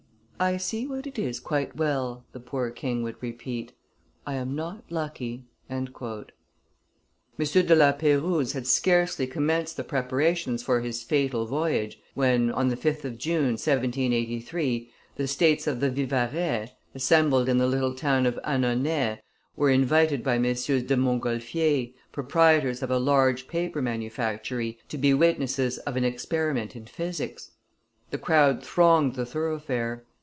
"I see what it is quite well," the poor king would repeat, "I am not lucky." M. de La Peyrouse had scarcely commenced the preparations for his fatal voyage, when, on the 5th of June, 1783, the States of the Vivarais, assembled in the little town of Annonay, were invited by MM. de Montgolfier, proprietors of a large paper manufactory, to be witnesses of an experiment in physics. The crowd thronged the thoroughfare.